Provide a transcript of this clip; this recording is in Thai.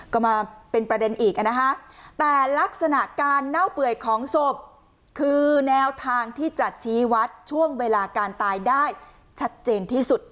ก็มาเป็นประเด็นอีกนะฮะแต่ลักษณะการเน่าเปื่อยของศพคือแนวทางที่จะชี้วัดช่วงเวลาการตายได้ชัดเจนที่สุด